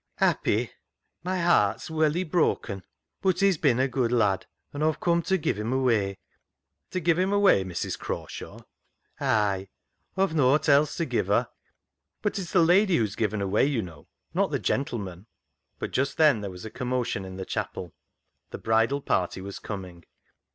" Happy ! My heart's welly broken ; but he's bin a good lad, an' Aw've come to give him away." " To give him away, Mrs. Crawshaw ?"" Ay ; Aw've nowt else to give her." 98 CLOG SHOP CHRONICLES " But it is the lady who is given away, you know, not the gentleman." But just then there was a commotion in the chapel. The bridal party was coming.